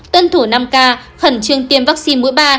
tuân thủ năm k khẩn trương tiêm vaccine mũi ba